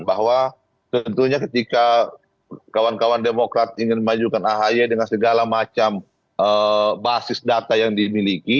bahwa tentunya ketika kawan kawan demokrat ingin memajukan ahy dengan segala macam basis data yang dimiliki